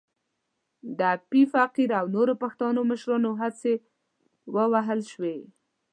د ایپي فقیر او نورو پښتنو مشرانو هڅې ووهل شوې.